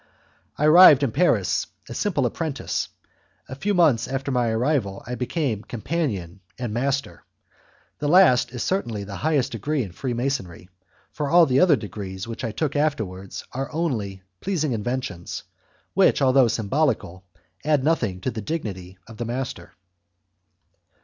I arrived in Paris a simple apprentice; a few months after my arrival I became companion and master; the last is certainly the highest degree in Freemasonry, for all the other degrees which I took afterwards are only pleasing inventions, which, although symbolical, add nothing to the dignity of master.